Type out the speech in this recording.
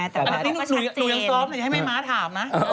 แต่ว่าเราก็ชัดเจนหนูยังซอฟต์หน่อยให้ให้ม้าถามนะ